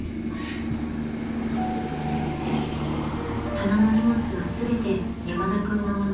［棚の荷物は全て山田君の物］